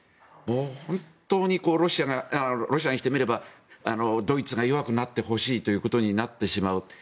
本当にロシアにしてみればドイツが弱くなってほしいということになってしまう。